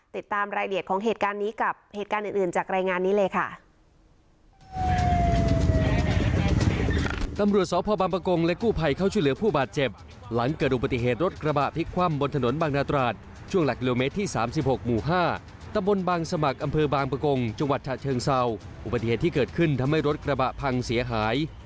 ติดตามรายละเอียดของเหตุการณ์นี้กับเหตุการณ์อื่นจากรายงานนี้เลยค่ะ